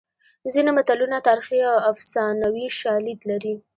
ځینې متلونه تاریخي او افسانوي شالید لري